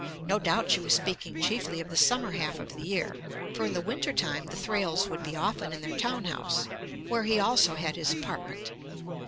No doubt she was speaking chiefly of the summer half of the year, for in the winter time the Thrales would be often in their town house, where he also had his apartment.